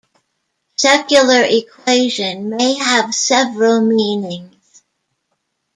"Secular equation" may have several meanings.